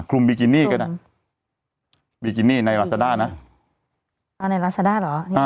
คลุมบิกินี่ก็ได้บิกินี่ในราซาดาน่ะอ่าในราซาดาหรออ่า